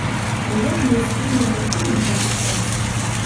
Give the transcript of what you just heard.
Але як мы іскрым і жартуем ў гэты час!